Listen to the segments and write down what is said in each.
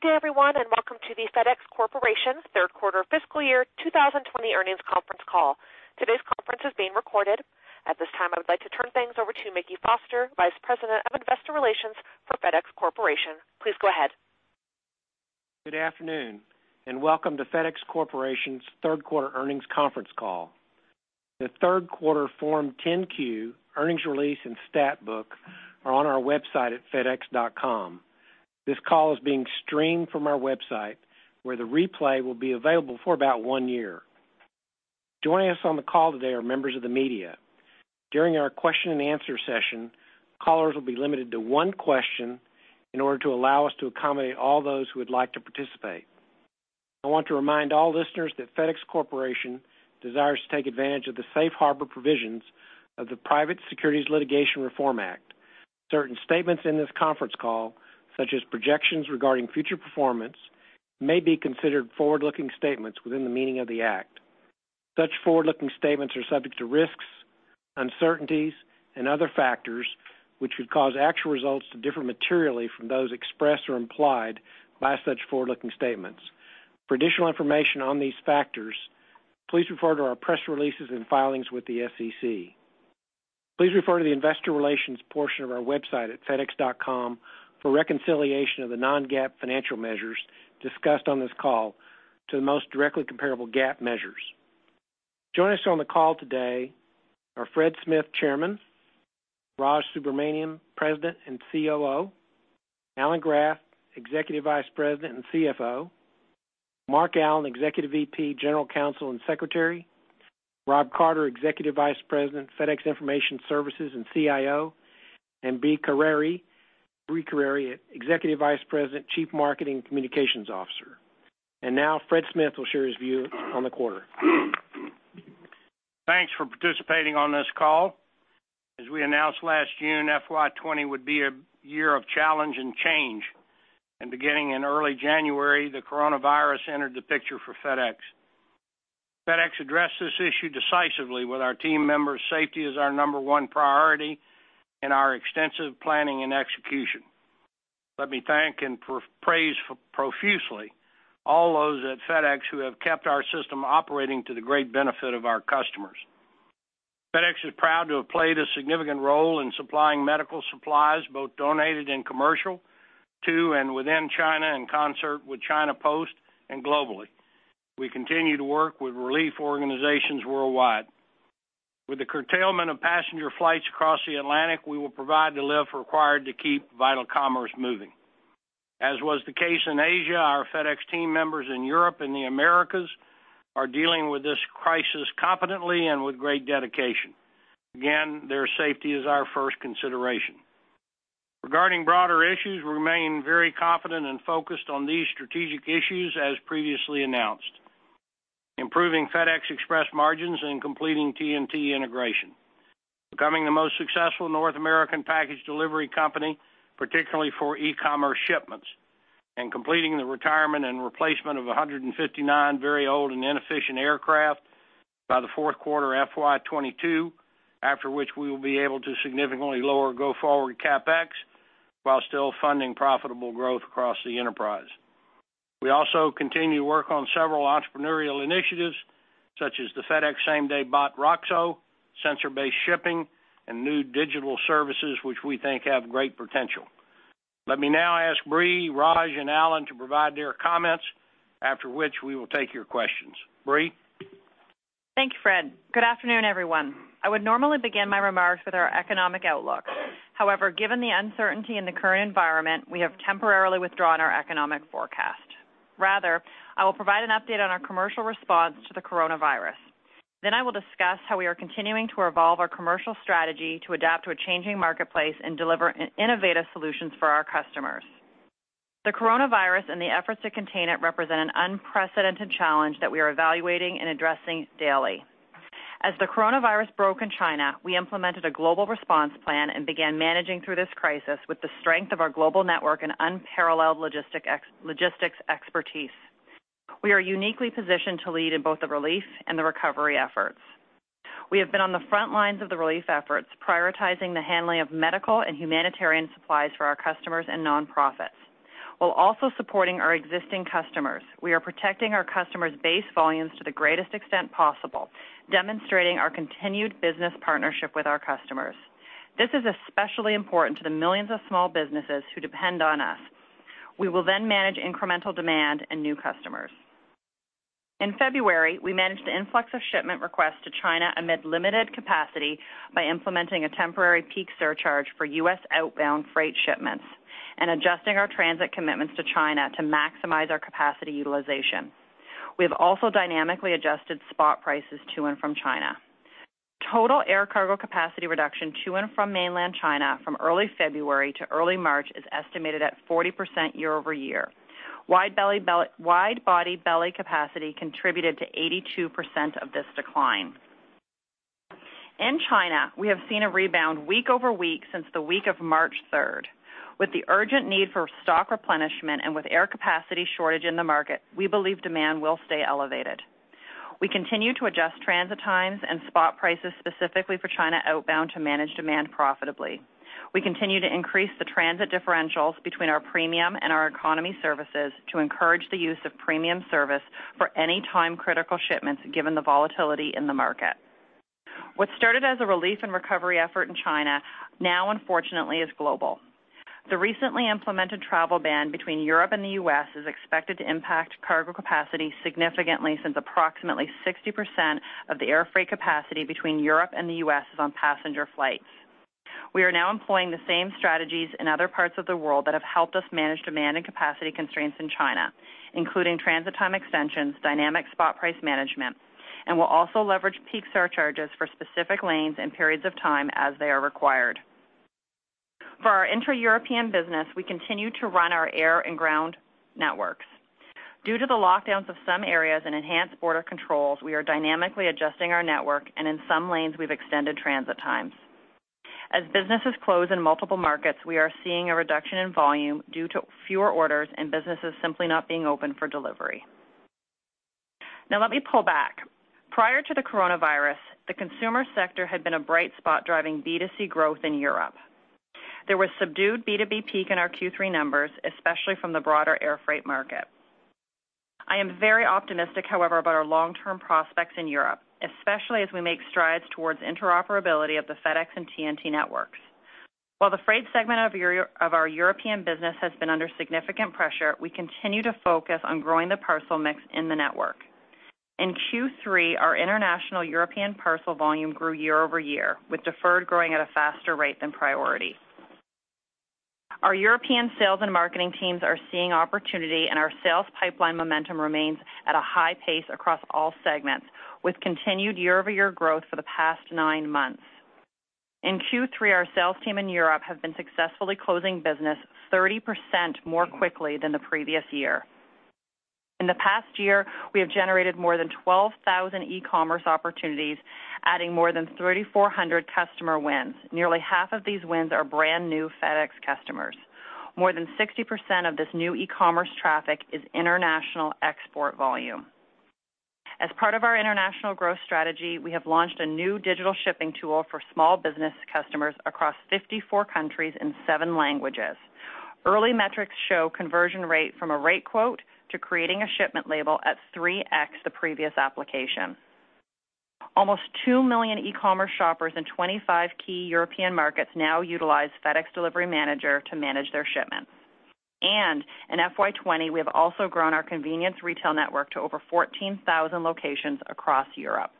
Good day, everyone, and welcome to the FedEx Corporation third quarter fiscal year 2020 earnings conference call. Today's conference is being recorded. At this time, I would like to turn things over to Mickey Foster, Vice President of Investor Relations for FedEx Corporation. Please go ahead. Good afternoon, welcome to FedEx Corporation's third quarter earnings conference call. The third quarter Form 10-Q, earnings release, and stat book are on our website at fedex.com. This call is being streamed from our website, where the replay will be available for about one year. Joining us on the call today are members of the media. During our question-and-answer session, callers will be limited to one question in order to allow us to accommodate all those who would like to participate. I want to remind all listeners that FedEx Corporation desires to take advantage of the safe harbor provisions of the Private Securities Litigation Reform Act. Certain statements in this conference call, such as projections regarding future performance, may be considered forward-looking statements within the meaning of the act. Such forward-looking statements are subject to risks, uncertainties, and other factors, which could cause actual results to differ materially from those expressed or implied by such forward-looking statements. For additional information on these factors, please refer to our press releases and filings with the SEC. Please refer to the investor relations portion of our website at fedex.com for reconciliation of the non-GAAP financial measures discussed on this call to the most directly comparable GAAP measures. Joining us on the call today are Fred Smith, Chairman; Raj Subramaniam, President and COO; Alan Graf, Executive Vice President and CFO; Mark Allen, Executive VP, General Counsel, and Secretary; Rob Carter, Executive Vice President, FedEx Information Services and CIO; Brie Carere, Executive Vice President, Chief Marketing Communications Officer. Now Fred Smith will share his view on the quarter. Thanks for participating on this call. As we announced last June, FY 2020 would be a year of challenge and change. Beginning in early January, the coronavirus entered the picture for FedEx. FedEx addressed this issue decisively with our team members' safety as our number one priority and our extensive planning and execution. Let me thank and praise profusely all those at FedEx who have kept our system operating to the great benefit of our customers. FedEx is proud to have played a significant role in supplying medical supplies, both donated and commercial, to and within China in concert with China Post and globally. We continue to work with relief organizations worldwide. With the curtailment of passenger flights across the Atlantic, we will provide the lift required to keep vital commerce moving. As was the case in Asia, our FedEx team members in Europe and the Americas are dealing with this crisis competently and with great dedication. Again, their safety is our first consideration. Regarding broader issues, we remain very confident and focused on these strategic issues as previously announced. Improving FedEx Express margins and completing TNT integration. Becoming the most successful North American package delivery company, particularly for e-commerce shipments. Completing the retirement and replacement of 159 very old and inefficient aircraft by the fourth quarter FY 2022, after which we will be able to significantly lower go-forward CapEx while still funding profitable growth across the enterprise. We also continue to work on several entrepreneurial initiatives, such as the FedEx SameDay Bot, Roxo, sensor-based shipping, and new digital services, which we think have great potential. Let me now ask Brie, Raj, and Alan to provide their comments, after which we will take your questions. Brie? Thank you, Fred. Good afternoon, everyone. I would normally begin my remarks with our economic outlook. Given the uncertainty in the current environment, we have temporarily withdrawn our economic forecast. Rather, I will provide an update on our commercial response to the coronavirus. I will discuss how we are continuing to evolve our commercial strategy to adapt to a changing marketplace and deliver innovative solutions for our customers. The coronavirus and the efforts to contain it represent an unprecedented challenge that we are evaluating and addressing daily. As the coronavirus broke in China, we implemented a global response plan and began managing through this crisis with the strength of our global network and unparalleled logistics expertise. We are uniquely positioned to lead in both the relief and the recovery efforts. We have been on the front lines of the relief efforts, prioritizing the handling of medical and humanitarian supplies for our customers and nonprofits. While also supporting our existing customers, we are protecting our customers' base volumes to the greatest extent possible, demonstrating our continued business partnership with our customers. This is especially important to the millions of small businesses who depend on us. We will manage incremental demand and new customers. In February, we managed the influx of shipment requests to China amid limited capacity by implementing a temporary peak surcharge for U.S. outbound freight shipments and adjusting our transit commitments to China to maximize our capacity utilization. We have also dynamically adjusted spot prices to and from China. Total air cargo capacity reduction to and from mainland China from early February to early March is estimated at 40% year-over-year. Wide-body belly capacity contributed to 82% of this decline. In China, we have seen a rebound week over week since the week of March 3rd. With the urgent need for stock replenishment and with air capacity shortage in the market, we believe demand will stay elevated. We continue to adjust transit times and spot prices specifically for China outbound to manage demand profitably. We continue to increase the transit differentials between our premium and our economy services to encourage the use of premium service for any time-critical shipments, given the volatility in the market. What started as a relief and recovery effort in China now unfortunately is global. The recently implemented travel ban between Europe and the U.S. is expected to impact cargo capacity significantly since approximately 60% of the air freight capacity between Europe and the U.S. is on passenger flights. We are now employing the same strategies in other parts of the world that have helped us manage demand and capacity constraints in China, including transit time extensions, dynamic spot price management, and we'll also leverage peak surcharges for specific lanes and periods of time as they are required. For our intra-European business, we continue to run our air and ground networks. Due to the lockdowns of some areas and enhanced border controls, we are dynamically adjusting our network, and in some lanes, we've extended transit times. As businesses close in multiple markets, we are seeing a reduction in volume due to fewer orders and businesses simply not being open for delivery. Now let me pull back. Prior to the coronavirus, the consumer sector had been a bright spot driving B2C growth in Europe. There was subdued B2B peak in our Q3 numbers, especially from the broader air freight market. I am very optimistic, however, about our long-term prospects in Europe, especially as we make strides towards interoperability of the FedEx and TNT networks. While the freight segment of our European business has been under significant pressure, we continue to focus on growing the parcel mix in the network. In Q3, our international European parcel volume grew year-over-year, with deferred growing at a faster rate than priority. Our European sales and marketing teams are seeing opportunity, and our sales pipeline momentum remains at a high pace across all segments, with continued year-over-year growth for the past nine months. In Q3, our sales team in Europe have been successfully closing business 30% more quickly than the previous year. In the past year, we have generated more than 12,000 e-commerce opportunities, adding more than 3,400 customer wins. Nearly half of these wins are brand-new FedEx customers. More than 60% of this new e-commerce traffic is international export volume. As part of our international growth strategy, we have launched a new digital shipping tool for small business customers across 54 countries in seven languages. Early metrics show conversion rate from a rate quote to creating a shipment label at 3x the previous application. Almost 2 million e-commerce shoppers in 25 key European markets now utilize FedEx Delivery Manager to manage their shipments. In FY 2020, we have also grown our convenience retail network to over 14,000 locations across Europe.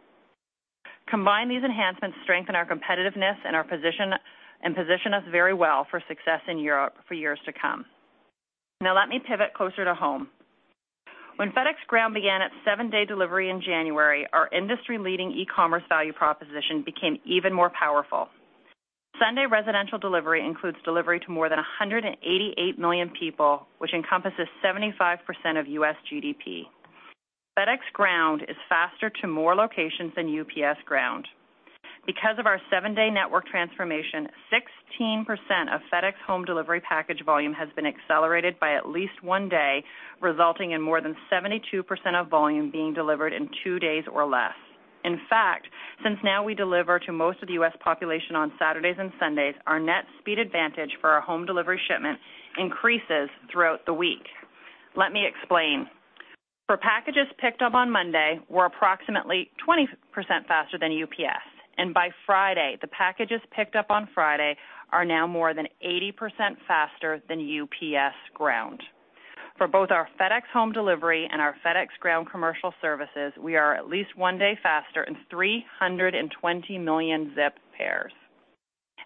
Combined, these enhancements strengthen our competitiveness and position us very well for success in Europe for years to come. Now let me pivot closer to home. When FedEx Ground began its seven-day delivery in January, our industry-leading e-commerce value proposition became even more powerful. Sunday residential delivery includes delivery to more than 188 million people, which encompasses 75% of U.S. GDP. FedEx Ground is faster to more locations than UPS Ground. Because of our seven-day network transformation, 16% of FedEx Home Delivery package volume has been accelerated by at least one day, resulting in more than 72% of volume being delivered in two days or less. In fact, since now we deliver to most of the U.S. population on Saturdays and Sundays, our net speed advantage for our home delivery shipment increases throughout the week. Let me explain. For packages picked up on Monday, we're approximately 20% faster than UPS, and by Friday, the packages picked up on Friday are now more than 80% faster than UPS Ground. For both our FedEx Home Delivery and our FedEx Ground Commercial services, we are at least one day faster in 320 million zip pairs.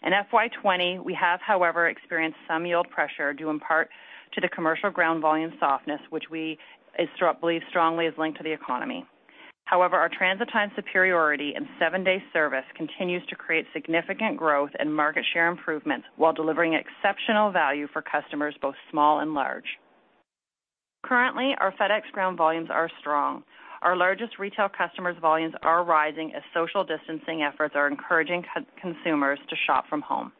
In FY 2020, we have, however, experienced some yield pressure due in part to the commercial ground volume softness, which we believe strongly is linked to the economy. However, our transit time superiority and seven-day service continues to create significant growth and market share improvements while delivering exceptional value for customers both small and large. Currently, our FedEx Ground volumes are strong. Our largest retail customers' volumes are rising as social distancing efforts are encouraging consumers to shop from home.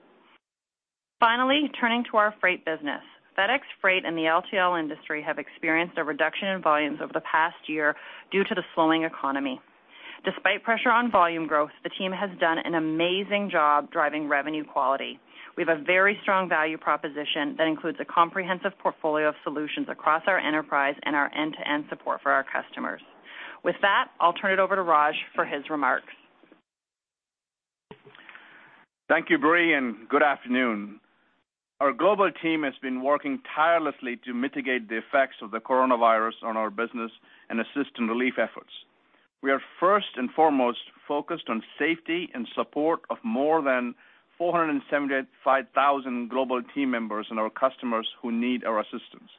Finally, turning to our Freight business. FedEx Freight and the LTL industry have experienced a reduction in volumes over the past year due to the slowing economy. Despite pressure on volume growth, the team has done an amazing job driving revenue quality. We have a very strong value proposition that includes a comprehensive portfolio of solutions across our enterprise and our end-to-end support for our customers. With that, I'll turn it over to Raj for his remarks. Thank you, Brie. Good afternoon. Our global team has been working tirelessly to mitigate the effects of the coronavirus on our business and assist in relief efforts. We are first and foremost focused on safety and support of more than 475,000 global team members and our customers who need our assistance.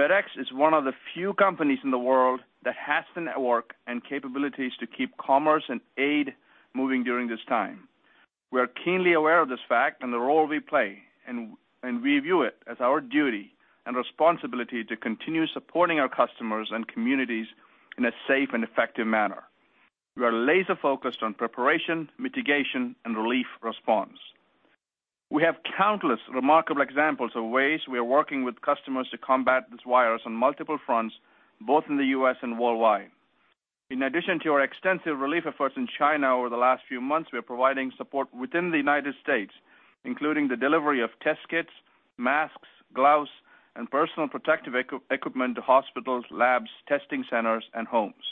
FedEx is one of the few companies in the world that has the network and capabilities to keep commerce and aid moving during this time. We are keenly aware of this fact and the role we play. We view it as our duty and responsibility to continue supporting our customers and communities in a safe and effective manner. We are laser-focused on preparation, mitigation, and relief response. We have countless remarkable examples of ways we are working with customers to combat this virus on multiple fronts, both in the U.S. and worldwide. In addition to our extensive relief efforts in China over the last few months, we are providing support within the United States, including the delivery of test kits, masks, gloves, and personal protective equipment to hospitals, labs, testing centers, and homes.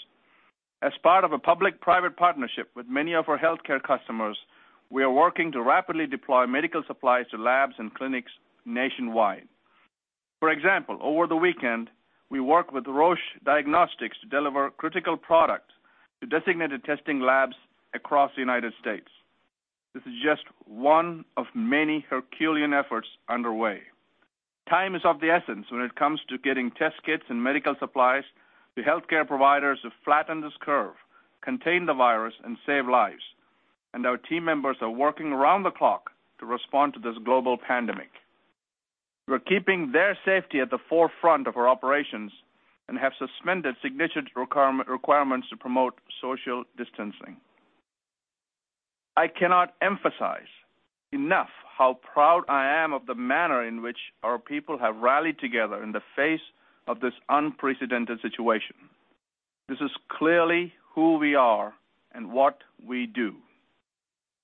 As part of a public-private partnership with many of our healthcare customers, we are working to rapidly deploy medical supplies to labs and clinics nationwide. For example, over the weekend, we worked with Roche Diagnostics to deliver critical product to designated testing labs across the United States. This is just one of many Herculean efforts underway. Time is of the essence when it comes to getting test kits and medical supplies to healthcare providers to flatten this curve, contain the virus, and save lives, and our team members are working around the clock to respond to this global pandemic. We're keeping their safety at the forefront of our operations and have suspended signature requirements to promote social distancing. I cannot emphasize enough how proud I am of the manner in which our people have rallied together in the face of this unprecedented situation. This is clearly who we are and what we do.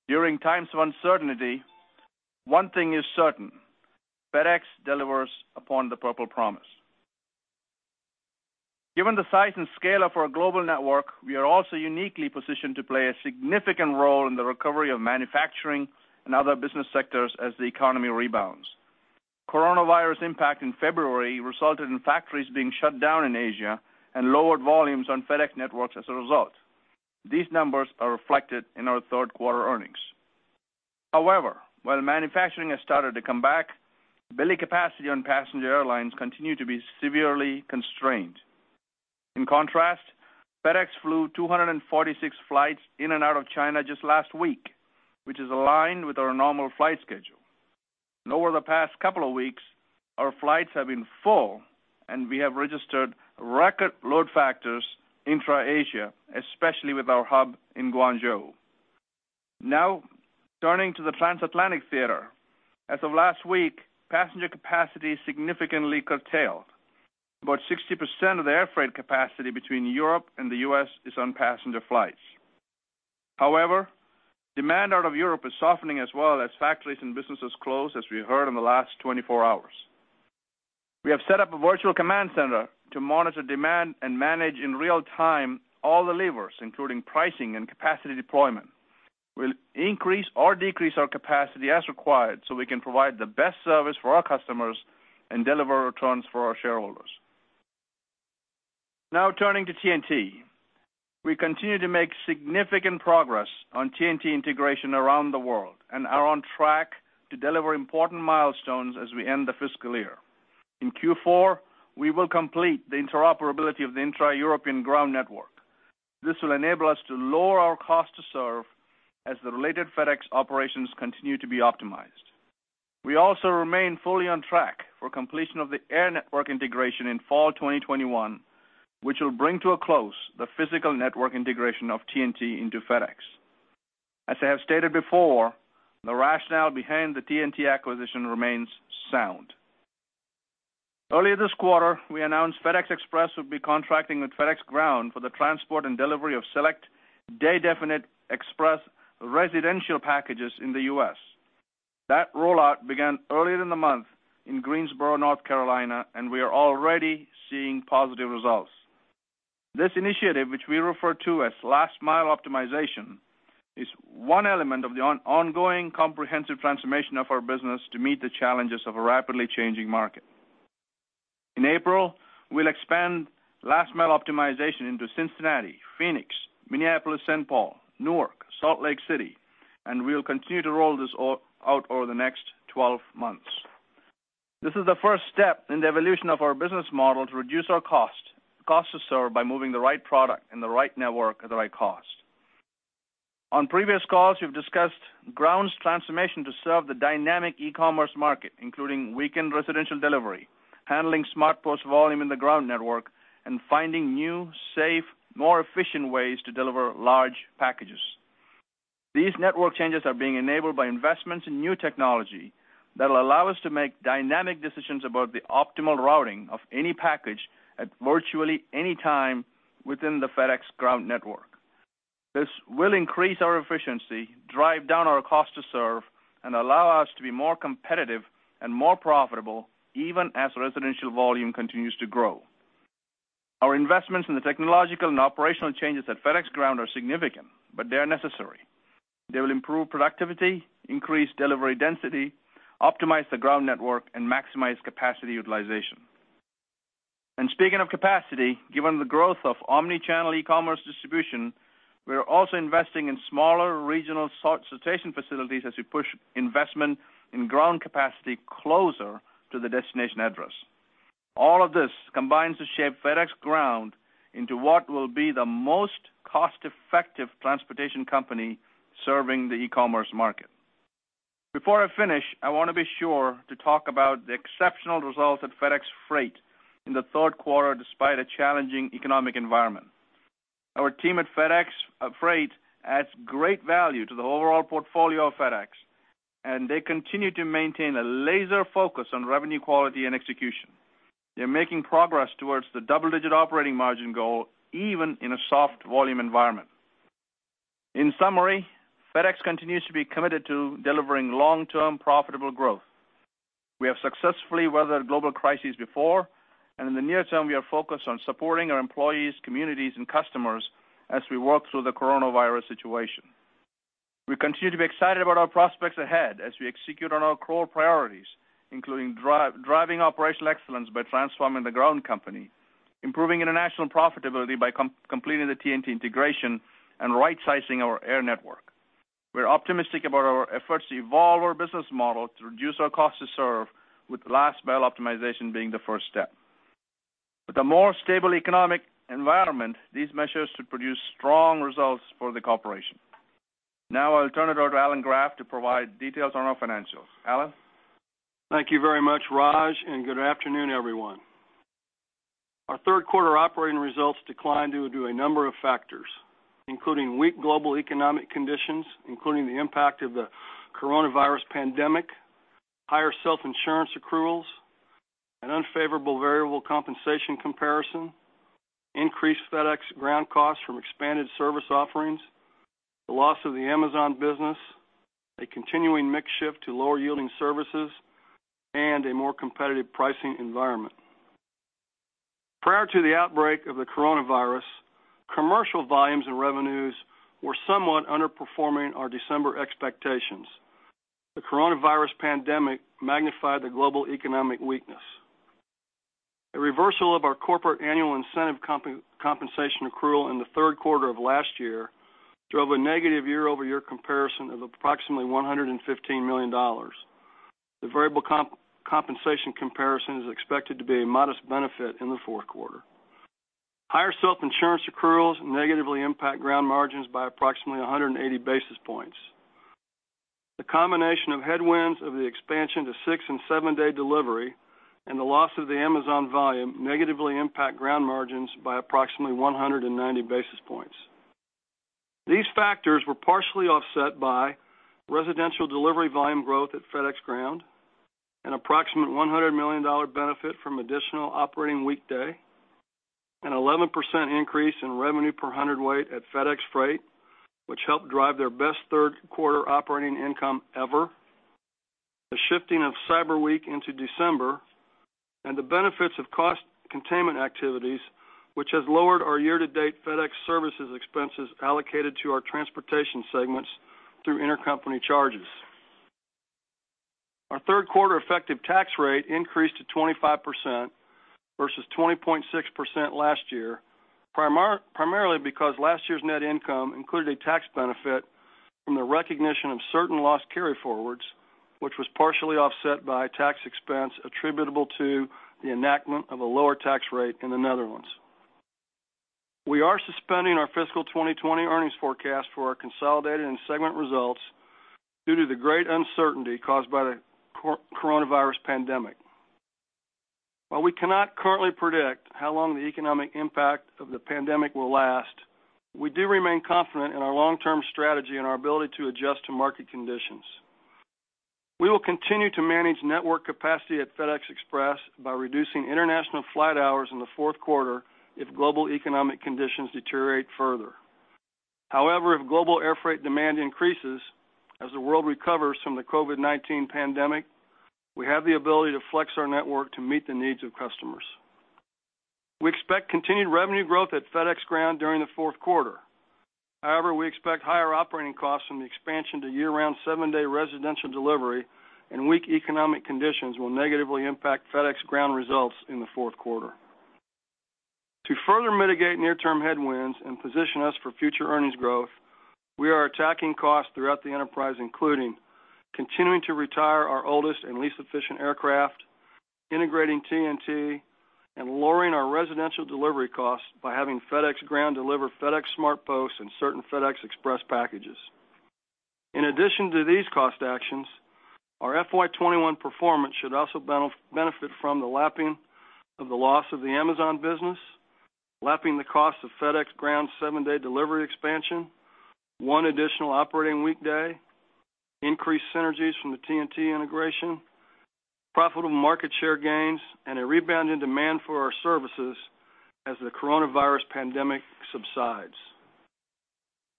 During times of uncertainty, one thing is certain, FedEx delivers upon the Purple Promise. Given the size and scale of our global network, we are also uniquely positioned to play a significant role in the recovery of manufacturing and other business sectors as the economy rebounds. COVID-19 impact in February resulted in factories being shut down in Asia and lowered volumes on FedEx networks as a result. These numbers are reflected in our third-quarter earnings. However, while manufacturing has started to come back, belly capacity on passenger airlines continue to be severely constrained. FedEx flew 246 flights in and out of China just last week, which is aligned with our normal flight schedule. Over the past couple of weeks, our flights have been full, and we have registered record load factors intra-Asia, especially with our hub in Guangzhou. Turning to the transatlantic theater. As of last week, passenger capacity significantly curtailed. About 60% of the air freight capacity between Europe and the U.S. is on passenger flights. Demand out of Europe is softening as well as factories and businesses close, as we heard in the last 24 hours. We have set up a virtual command center to monitor demand and manage in real time all the levers, including pricing and capacity deployment. We'll increase or decrease our capacity as required so we can provide the best service for our customers and deliver returns for our shareholders. Now turning to TNT. We continue to make significant progress on TNT integration around the world and are on track to deliver important milestones as we end the fiscal year. In Q4, we will complete the interoperability of the intra-European ground network. This will enable us to lower our cost to serve as the related FedEx operations continue to be optimized. We also remain fully on track for completion of the air network integration in fall 2021, which will bring to a close the physical network integration of TNT into FedEx. As I have stated before, the rationale behind the TNT acquisition remains sound. Earlier this quarter, we announced FedEx Express would be contracting with FedEx Ground for the transport and delivery of select day-definite express residential packages in the U.S. That rollout began earlier in the month in Greensboro, North Carolina. We are already seeing positive results. This initiative, which we refer to as last-mile optimization, is one element of the ongoing comprehensive transformation of our business to meet the challenges of a rapidly changing market. In April, we'll expand last-mile optimization into Cincinnati, Phoenix, Minneapolis-Saint Paul, Newark, Salt Lake City. We'll continue to roll this out over the next 12 months. This is the first step in the evolution of our business model to reduce our cost to serve by moving the right product in the right network at the right cost. On previous calls, we've discussed Ground's transformation to serve the dynamic e-commerce market, including weekend residential delivery, handling SmartPost volume in the Ground network, and finding new, safe, more efficient ways to deliver large packages. These network changes are being enabled by investments in new technology that'll allow us to make dynamic decisions about the optimal routing of any package at virtually any time within the FedEx Ground network. This will increase our efficiency, drive down our cost to serve, and allow us to be more competitive and more profitable even as residential volume continues to grow. Our investments in the technological and operational changes at FedEx Ground are significant, they are necessary. They will improve productivity, increase delivery density, optimize the Ground network, and maximize capacity utilization. Speaking of capacity, given the growth of omni-channel e-commerce distribution, we are also investing in smaller regional sort station facilities as we push investment in FedEx Ground capacity closer to the destination address. All of this combines to shape FedEx Ground into what will be the most cost-effective transportation company serving the e-commerce market. Before I finish, I want to be sure to talk about the exceptional results at FedEx Freight in the third quarter despite a challenging economic environment. Our team at FedEx Freight adds great value to the overall portfolio of FedEx, and they continue to maintain a laser focus on revenue quality and execution. They're making progress towards the double-digit operating margin goal, even in a soft volume environment. In summary, FedEx continues to be committed to delivering long-term profitable growth. We have successfully weathered global crises before, and in the near term, we are focused on supporting our employees, communities, and customers as we work through the coronavirus situation. We continue to be excited about our prospects ahead as we execute on our core priorities, including driving operational excellence by transforming FedEx Ground, improving international profitability by completing the TNT integration, and rightsizing our air network. We're optimistic about our efforts to evolve our business model to reduce our cost to serve, with last mile optimization being the first step. With a more stable economic environment, these measures should produce strong results for the corporation. Now I'll turn it over to Alan Graf to provide details on our financials. Alan? Thank you very much, Raj, and good afternoon, everyone. Our third quarter operating results declined due to a number of factors, including weak global economic conditions, including the impact of the coronavirus pandemic, higher self-insurance accruals, an unfavorable variable compensation comparison, increased FedEx Ground costs from expanded service offerings, the loss of the Amazon business, a continuing mix shift to lower yielding services, and a more competitive pricing environment. Prior to the outbreak of the coronavirus, commercial volumes and revenues were somewhat underperforming our December expectations. The coronavirus pandemic magnified the global economic weakness. A reversal of our corporate annual incentive compensation accrual in the third quarter of last year drove a negative year-over-year comparison of approximately $115 million. The variable compensation comparison is expected to be a modest benefit in the fourth quarter. Higher self-insurance accruals negatively impact Ground margins by approximately 180 basis points. The combination of headwinds of the expansion to six and seven-day delivery and the loss of the Amazon volume negatively impact Ground margins by approximately 190 basis points. These factors were partially offset by residential delivery volume growth at FedEx Ground, an approximate $100 million benefit from additional operating weekday, an 11% increase in revenue per hundredweight at FedEx Freight, which helped drive their best third quarter operating income ever. The shifting of Cyber Week into December and the benefits of cost containment activities, which has lowered our year-to-date FedEx Services expenses allocated to our transportation segments through intercompany charges. Our third quarter effective tax rate increased to 25% versus 20.6% last year, primarily because last year's net income included a tax benefit from the recognition of certain loss carryforwards, which was partially offset by tax expense attributable to the enactment of a lower tax rate in the Netherlands. We are suspending our fiscal 2020 earnings forecast for our consolidated and segment results due to the great uncertainty caused by the COVID-19 pandemic. While we cannot currently predict how long the economic impact of the pandemic will last, we do remain confident in our long-term strategy and our ability to adjust to market conditions. We will continue to manage network capacity at FedEx Express by reducing international flight hours in the fourth quarter if global economic conditions deteriorate further. However, if global air freight demand increases as the world recovers from the COVID-19 pandemic, we have the ability to flex our network to meet the needs of customers. We expect continued revenue growth at FedEx Ground during the fourth quarter. However, we expect higher operating costs from the expansion to year-round seven-day residential delivery and weak economic conditions will negatively impact FedEx Ground results in the fourth quarter. To further mitigate near-term headwinds and position us for future earnings growth, we are attacking costs throughout the enterprise, including continuing to retire our oldest and least efficient aircraft, integrating TNT, and lowering our residential delivery costs by having FedEx Ground deliver FedEx SmartPost and certain FedEx Express packages. In addition to these cost actions, our FY 2021 performance should also benefit from the lapping of the loss of the Amazon business, lapping the cost of FedEx Ground's seven-day delivery expansion, one additional operating weekday, increased synergies from the TNT integration, profitable market share gains, and a rebound in demand for our services as the coronavirus pandemic subsides.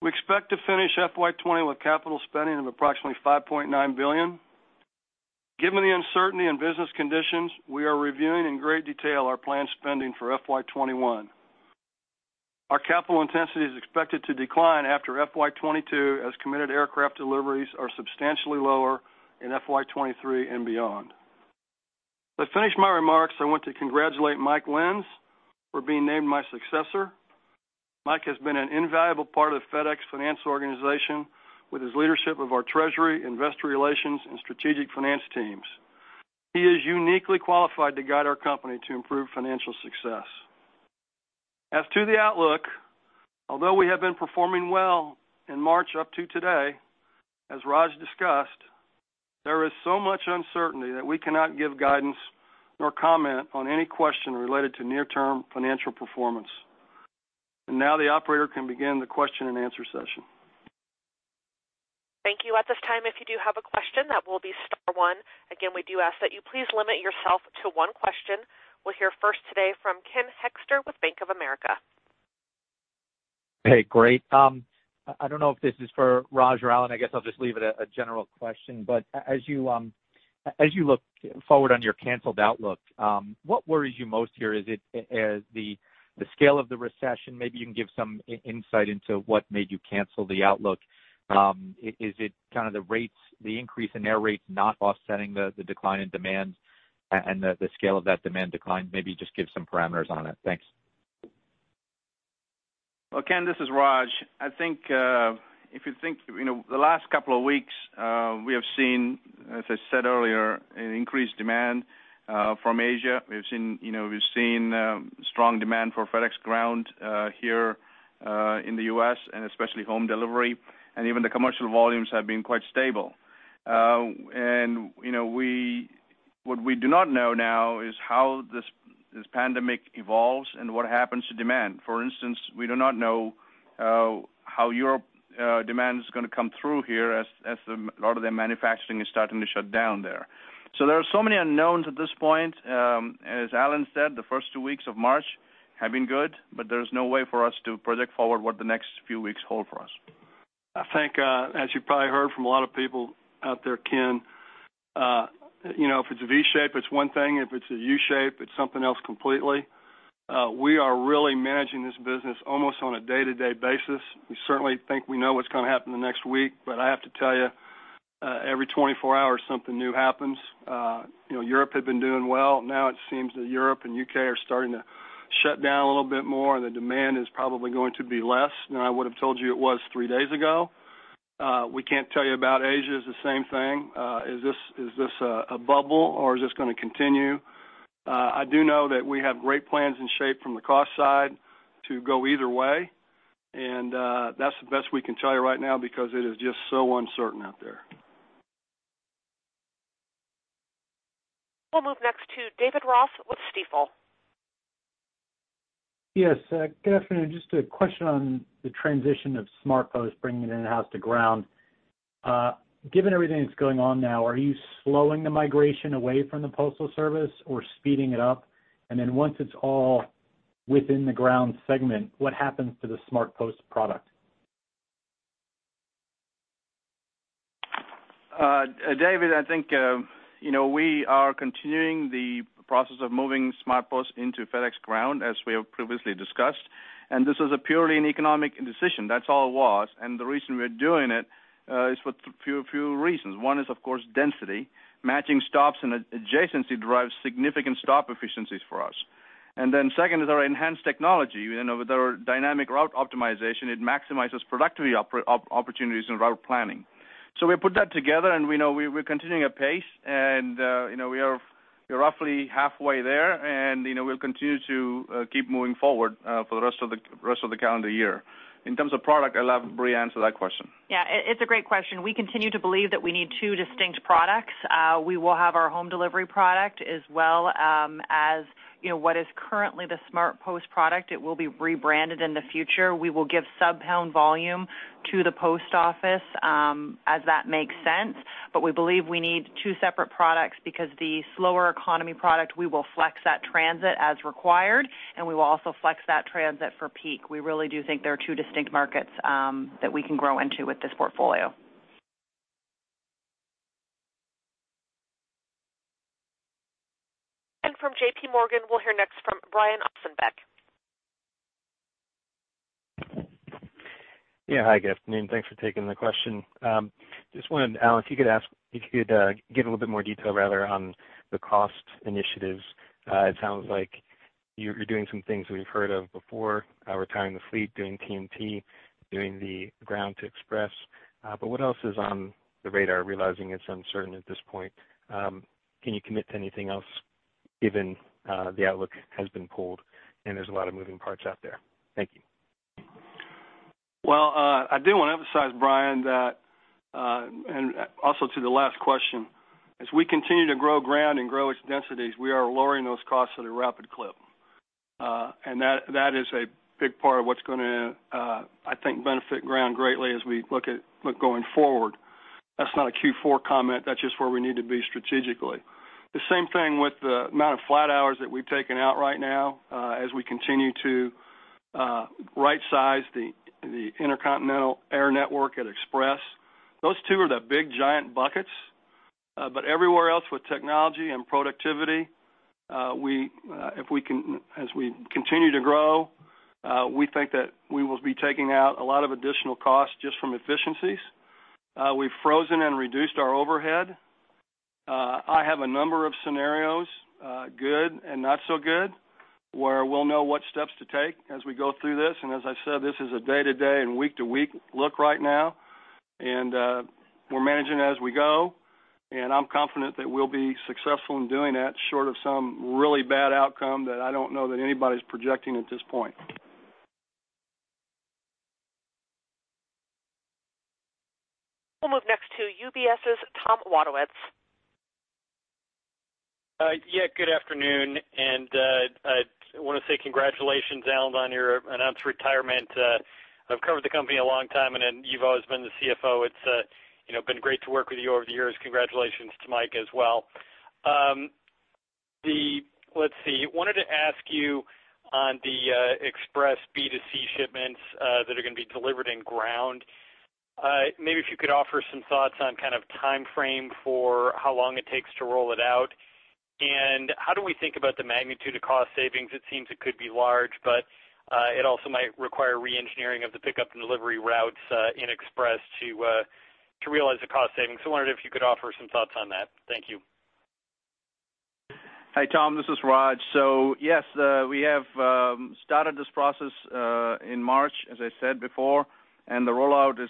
We expect to finish FY 2020 with capital spending of approximately $5.9 billion. Given the uncertainty in business conditions, we are reviewing in great detail our planned spending for FY 2021. Our capital intensity is expected to decline after FY 2022 as committed aircraft deliveries are substantially lower in FY 2023 and beyond. To finish my remarks, I want to congratulate Mike Lenz for being named my successor. Mike has been an invaluable part of the FedEx financial organization with his leadership of our treasury, investor relations, and strategic finance teams. He is uniquely qualified to guide our company to improved financial success. As to the outlook, although we have been performing well in March up to today, as Raj discussed, there is so much uncertainty that we cannot give guidance or comment on any question related to near-term financial performance. Now the operator can begin the question-and-answer session. Thank you. At this time, if you do have a question, that will be star one. Again, we do ask that you please limit yourself to one question. We'll hear first today from Ken Hoexter with Bank of America. Hey, great. I don't know if this is for Raj or Alan. I guess I'll just leave it a general question. As you look forward on your canceled outlook, what worries you most here? Is it the scale of the recession? Maybe you can give some insight into what made you cancel the outlook. Is it the rates, the increase in air rates not offsetting the decline in demand and the scale of that demand decline? Maybe just give some parameters on it. Thanks. Well, Ken, this is Raj. I think, if you think the last couple of weeks, we have seen, as I said earlier, an increased demand from Asia. We've seen strong demand for FedEx Ground here in the U.S., and especially FedEx Home Delivery, even the commercial volumes have been quite stable. What we do not know now is how this pandemic evolves and what happens to demand. For instance, we do not know how Europe demand is going to come through here as a lot of their manufacturing is starting to shut down there. There are so many unknowns at this point. As Alan said, the first two weeks of March have been good, but there's no way for us to project forward what the next few weeks hold for us. I think, as you probably heard from a lot of people out there, Ken, if it's a V shape, it's one thing. If it's a U shape, it's something else completely. We are really managing this business almost on a day-to-day basis. We certainly think we know what's going to happen the next week, but I have to tell you, every 24 hours, something new happens. Europe had been doing well. Now it seems that Europe and U.K. are starting to shut down a little bit more, and the demand is probably going to be less than I would have told you it was three days ago. We can't tell you about Asia, it's the same thing. Is this a bubble, or is this going to continue? I do know that we have great plans in shape from the cost side to go either way. That's the best we can tell you right now because it is just so uncertain out there. We'll move next to David Ross with Stifel. Yes. Good afternoon. Just a question on the transition of SmartPost bringing in-house to Ground. Given everything that's going on now, are you slowing the migration away from the Postal Service or speeding it up? Once it's all within the Ground segment, what happens to the SmartPost product? David, I think, we are continuing the process of moving SmartPost into FedEx Ground, as we have previously discussed. This was a purely an economic decision. That's all it was. The reason we're doing it is for a few reasons. One is, of course, density. Matching stops and adjacency drives significant stop efficiencies for us. Second is our enhanced technology. With our dynamic route optimization, it maximizes productivity opportunities and route planning. We put that together, and we know we're continuing at pace, and we are roughly halfway there, and we'll continue to keep moving forward for the rest of the calendar year. In terms of product, I'll have Brie answer that question. Yeah, it's a great question. We continue to believe that we need two distinct products. We will have our home delivery product as well as what is currently the SmartPost product. It will be rebranded in the future. We will give sub-pound volume to the post office as that makes sense. We believe we need two separate products because the slower economy product, we will flex that transit as required, and we will also flex that transit for peak. We really do think there are two distinct markets that we can grow into with this portfolio. From JPMorgan, we'll hear next from Brian Ossenbeck. Yeah. Hi, good afternoon. Thanks for taking the question. Just wanted, Alan, if you could give a little bit more detail rather on the cost initiatives. It sounds like you're doing some things that we've heard of before, retiring the fleet, doing TNT, doing the FedEx Ground to FedEx Express. What else is on the radar, realizing it's uncertain at this point? Can you commit to anything else, given the outlook has been pulled and there's a lot of moving parts out there? Thank you. Well, I do want to emphasize, Brian, that, and also to the last question, as we continue to grow Ground and grow its densities, we are lowering those costs at a rapid clip. That is a big part of what's going to, I think, benefit Ground greatly as we look at going forward. That's not a Q4 comment. That's just where we need to be strategically. The same thing with the amount of flight hours that we've taken out right now as we continue to right size the intercontinental air network at Express. Those two are the big giant buckets. Everywhere else with technology and productivity, as we continue to grow, we think that we will be taking out a lot of additional costs just from efficiencies. We've frozen and reduced our overhead. I have a number of scenarios, good and not so good, where we'll know what steps to take as we go through this. As I said, this is a day-to-day and week-to-week look right now, and we're managing as we go. I'm confident that we'll be successful in doing that short of some really bad outcome that I don't know that anybody's projecting at this point. We'll move next to UBS's Tom Wadewitz. Yeah. Good afternoon. I want to say congratulations, Alan, on your announced retirement. I've covered the company a long time, and you've always been the CFO. It's been great to work with you over the years. Congratulations to Mike as well. Let's see, wanted to ask you on the Express B2C shipments that are going to be delivered in Ground. Maybe if you could offer some thoughts on timeframe for how long it takes to roll it out, and how do we think about the magnitude of cost savings? It seems it could be large, but it also might require re-engineering of the pickup and delivery routes in Express to realize the cost savings. I wondered if you could offer some thoughts on that. Thank you. Hi, Tom, this is Raj. Yes, we have started this process in March, as I said before, and the rollout is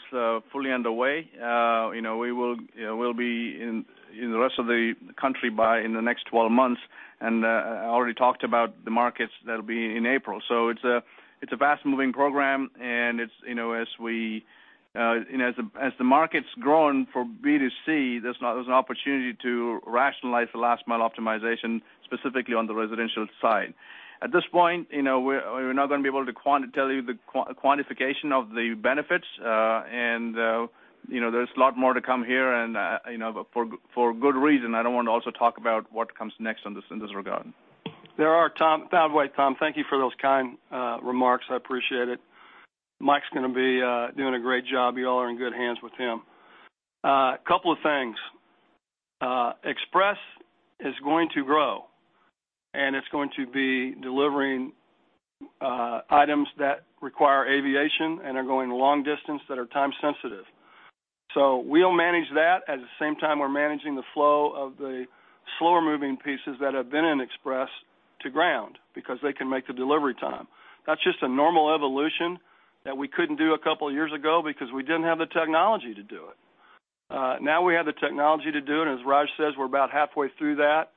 fully underway. We'll be in the rest of the country by in the next 12 months, and I already talked about the markets that'll be in April. It's a fast-moving program, and as the market's grown for B2C, there's an opportunity to rationalize the last mile optimization, specifically on the residential side. At this point, we're not going to be able to tell you the quantification of the benefits. There's a lot more to come here and for good reason. I don't want to also talk about what comes next in this regard. There are, Tom. By the way, Tom, thank you for those kind remarks. I appreciate it. Mike's going to be doing a great job. You all are in good hands with him. A couple of things. Express is going to grow, and it's going to be delivering items that require aviation and are going long distance that are time sensitive. We'll manage that. At the same time, we're managing the flow of the slower-moving pieces that have been in Express to Ground because they can make the delivery time. That's just a normal evolution that we couldn't do a couple of years ago because we didn't have the technology to do it. Now we have the technology to do it, and as Raj says, we're about halfway through that.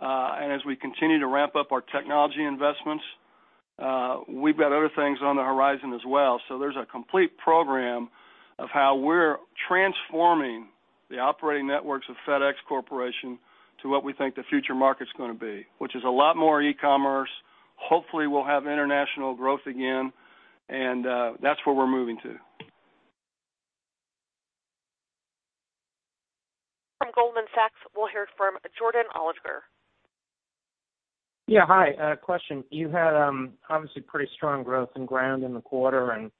As we continue to ramp up our technology investments, we've got other things on the horizon as well. There's a complete program of how we're transforming the operating networks of FedEx Corporation to what we think the future market's going to be, which is a lot more e-commerce. Hopefully, we'll have international growth again, and that's where we're moving to. From Goldman Sachs, we'll hear from Jordan Alliger. Hi. A question. You had obviously pretty strong growth in Ground in the quarter, and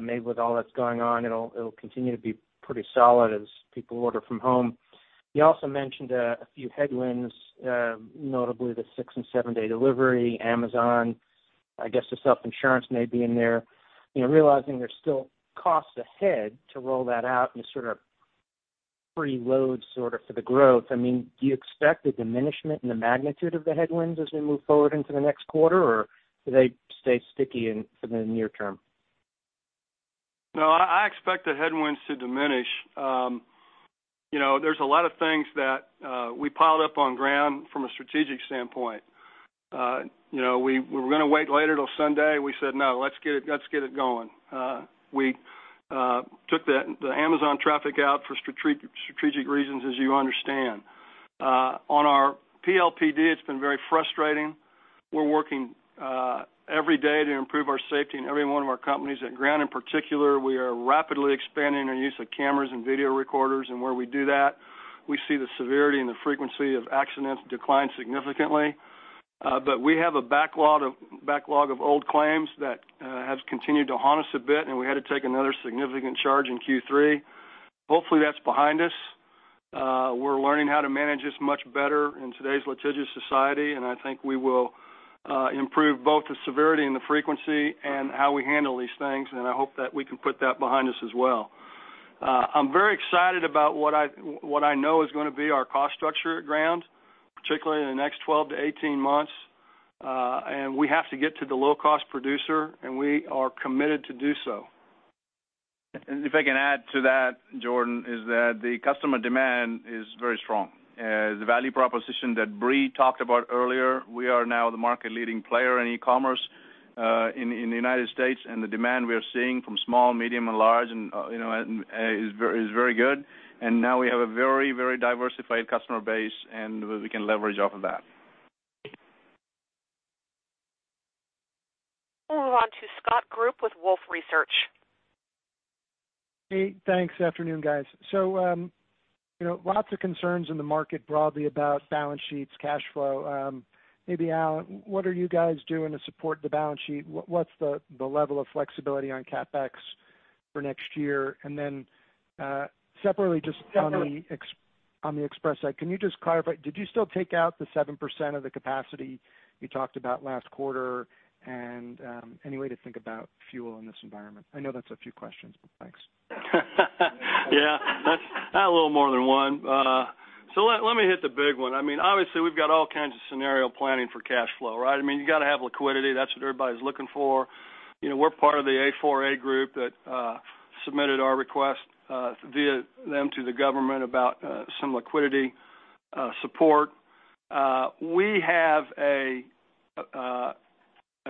maybe with all that's going on, it'll continue to be pretty solid as people order from home. You also mentioned a few headwinds, notably the six- and seven-day delivery, Amazon, I guess the self-insurance may be in there. Realizing there's still costs ahead to roll that out and sort of preload sort of for the growth. Do you expect a diminishment in the magnitude of the headwinds as we move forward into the next quarter, or do they stay sticky for the near term? No, I expect the headwinds to diminish. There's a lot of things that we piled up on Ground from a strategic standpoint. We were going to wait later till Sunday. We said, "No, let's get it going." We took the Amazon traffic out for strategic reasons, as you understand. On our PLPD, it's been very frustrating. We're working every day to improve our safety in every one of our companies. At Ground in particular, we are rapidly expanding our use of cameras and video recorders. Where we do that, we see the severity and the frequency of accidents decline significantly. We have a backlog of old claims that has continued to haunt us a bit, and we had to take another significant charge in Q3. Hopefully, that's behind us. We're learning how to manage this much better in today's litigious society. I think we will improve both the severity and the frequency and how we handle these things. I hope that we can put that behind us as well. I'm very excited about what I know is going to be our cost structure at Ground, particularly in the next 12-18 months. We have to get to the low-cost producer. We are committed to do so. If I can add to that, Jordan, the customer demand is very strong. The value proposition that Brie talked about earlier, we are now the market leading player in e-commerce in the United States, and the demand we are seeing from small, medium, and large is very good. Now we have a very diversified customer base, and we can leverage off of that. We'll move on to Scott Group with Wolfe Research. Hey, thanks. Afternoon, guys. Lots of concerns in the market broadly about balance sheets, cash flow. Maybe, Alan, what are you guys doing to support the balance sheet? What's the level of flexibility on CapEx for next year? Separately, just on the Express side, can you just clarify, did you still take out the 7% of the capacity you talked about last quarter, and any way to think about fuel in this environment? I know that's a few questions, thanks. Yeah. A little more than one. Let me hit the big one. Obviously, we've got all kinds of scenario planning for cash flow, right? You got to have liquidity. That's what everybody's looking for. We're part of the A4A group that submitted our request via them to the government about some liquidity support. We have a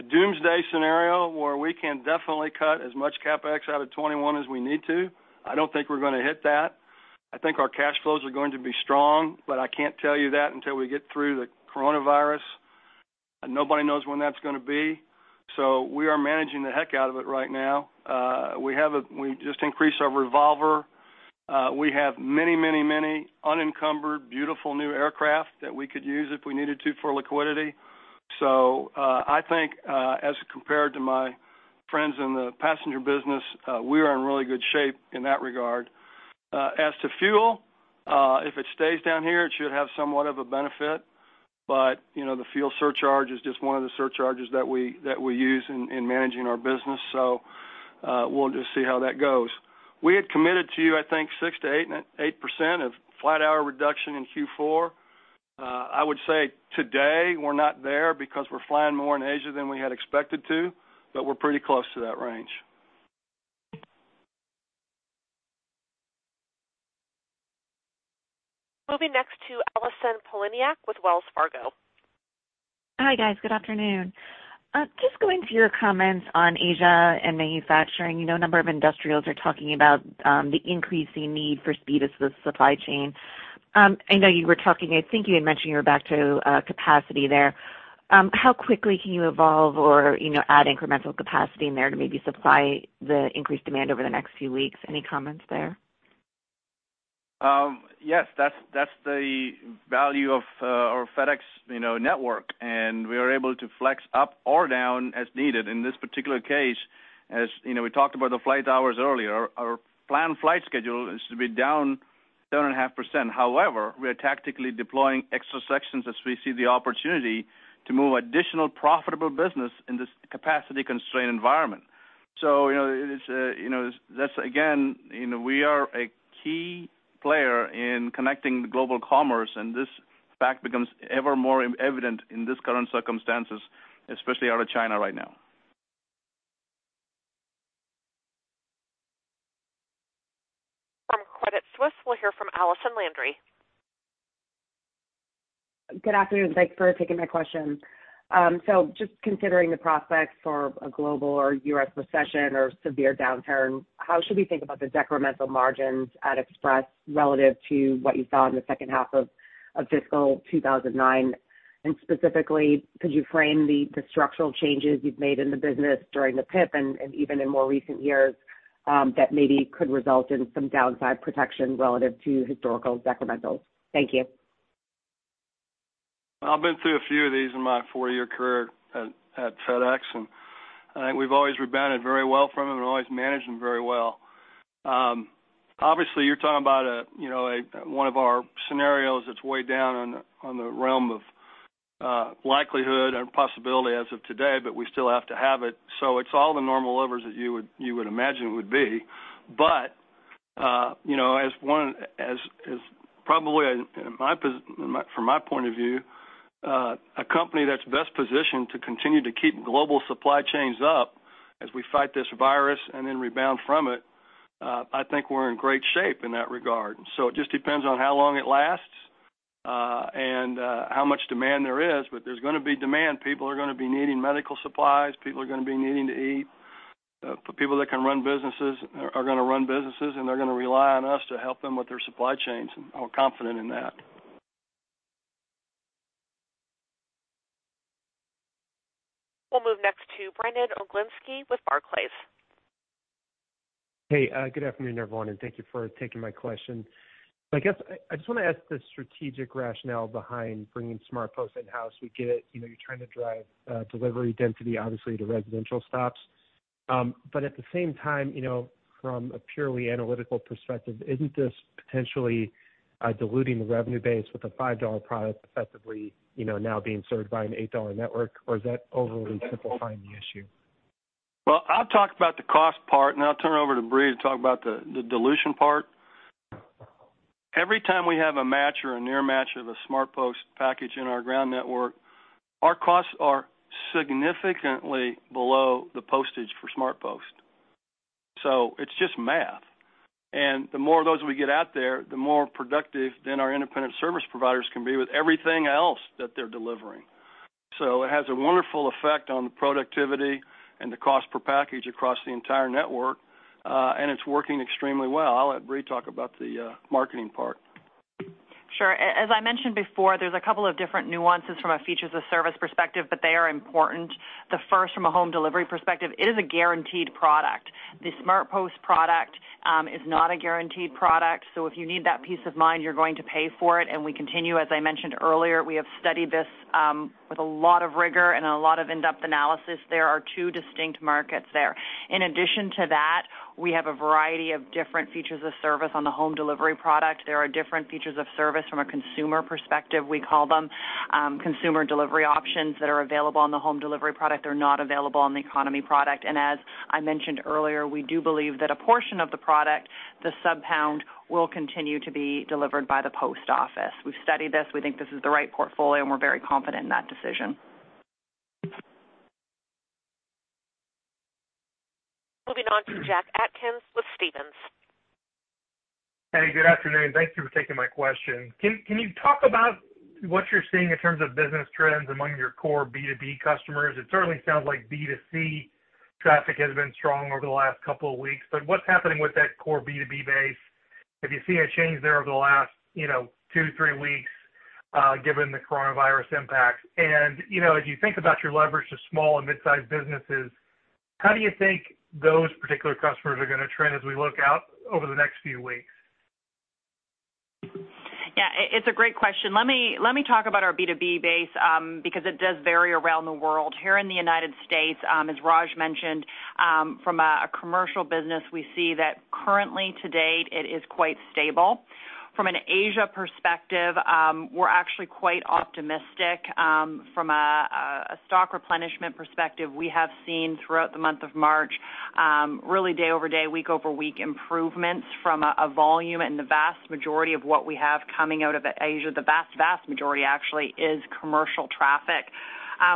doomsday scenario where we can definitely cut as much CapEx out of 2021 as we need to. I don't think we're going to hit that. I think our cash flows are going to be strong, but I can't tell you that until we get through the coronavirus. Nobody knows when that's going to be. We are managing the heck out of it right now. We just increased our revolver. We have many unencumbered, beautiful new aircraft that we could use if we needed to for liquidity. I think, as compared to my friends in the passenger business, we are in really good shape in that regard. As to fuel, if it stays down here, it should have somewhat of a benefit. The fuel surcharge is just one of the surcharges that we use in managing our business. We'll just see how that goes. We had committed to, I think, 6%-8% of flat hour reduction in Q4. I would say today we're not there because we're flying more in Asia than we had expected to, but we're pretty close to that range. Moving next to Allison Poliniak-Cusic with Wells Fargo. Hi, guys. Good afternoon. Just going to your comments on Asia and manufacturing. A number of industrials are talking about the increasing need for speed as the supply chain. I know you were talking, I think you had mentioned you're back to capacity there. How quickly can you evolve or add incremental capacity in there to maybe supply the increased demand over the next few weeks? Any comments there? Yes. That's the value of our FedEx network, and we are able to flex up or down as needed. In this particular case, as we talked about the flight hours earlier, our planned flight schedule is to be down 2.5%. However, we are tactically deploying extra sections as we see the opportunity to move additional profitable business in this capacity-constrained environment. Again, we are a key player in connecting global commerce, and this fact becomes ever more evident in this current circumstances, especially out of China right now. From Credit Suisse, we'll hear from Allison Landry. Good afternoon. Thanks for taking my question. Just considering the prospects for a global or U.S. recession or severe downturn, how should we think about the decremental margins at Express relative to what you saw in the second half of FY 2009? Specifically, could you frame the structural changes you've made in the business during the PIP and even in more recent years, that maybe could result in some downside protection relative to historical decrementals? Thank you. I've been through a few of these in my four-year career at FedEx, and I think we've always rebounded very well from them and always managed them very well. Obviously, you're talking about one of our scenarios that's way down on the realm of likelihood and possibility as of today, but we still have to have it. It's all the normal levers that you would imagine it would be. Probably from my point of view, a company that's best positioned to continue to keep global supply chains up as we fight this virus and then rebound from it, I think we're in great shape in that regard. It just depends on how long it lasts, and how much demand there is, but there's going to be demand. People are going to be needing medical supplies. People are going to be needing to eat. People that can run businesses are going to run businesses, and they're going to rely on us to help them with their supply chains, and we're confident in that. We'll move next to Brandon Oglenski with Barclays. Hey, good afternoon, everyone, and thank you for taking my question. I guess I just want to ask the strategic rationale behind bringing SmartPost in-house. We get it, you're trying to drive delivery density, obviously, to residential stops. At the same time, from a purely analytical perspective, isn't this potentially diluting the revenue base with a $5 product effectively now being served by an $8 network, or is that overly simplifying the issue? Well, I'll talk about the cost part, and I'll turn it over to Brie to talk about the dilution part. Every time we have a match or a near match of a SmartPost package in our ground network, our costs are significantly below the postage for SmartPost. It's just math. The more of those we get out there, the more productive then our independent service providers can be with everything else that they're delivering. It has a wonderful effect on the productivity and the cost per package across the entire network. It's working extremely well. I'll let Brie talk about the marketing part. Sure. As I mentioned before, there's a couple of different nuances from a features of service perspective, but they are important. The first, from a Home Delivery perspective, it is a guaranteed product. The SmartPost product is not a guaranteed product. If you need that peace of mind, you're going to pay for it, and we continue. As I mentioned earlier, we have studied this with a lot of rigor and a lot of in-depth analysis. There are two distinct markets there. In addition to that, we have a variety of different features of service on the Home Delivery product. There are different features of service from a consumer perspective. We call them consumer delivery options that are available on the Home Delivery product. They're not available on the economy product. As I mentioned earlier, we do believe that a portion of the product, the sub-pound, will continue to be delivered by the post office. We've studied this. We think this is the right portfolio, and we're very confident in that decision. Moving on to Jack Atkins with Stephens. Hey, good afternoon. Thank you for taking my question. Can you talk about what you're seeing in terms of business trends among your core B2B customers? It certainly sounds like B2C traffic has been strong over the last couple of weeks, but what's happening with that core B2B base? If you see a change there over the last two, three weeks, given the coronavirus impact. As you think about your leverage to small and mid-sized businesses, how do you think those particular customers are going to trend as we look out over the next few weeks? Yeah, it's a great question. Let me talk about our B2B base, because it does vary around the world. Here in the U.S., as Raj mentioned, from a commercial business, we see that currently to date, it is quite stable. From an Asia perspective, we're actually quite optimistic. From a stock replenishment perspective, we have seen throughout the month of March, really day over day, week over week improvements from a volume. The vast majority of what we have coming out of Asia, the vast majority actually, is commercial traffic.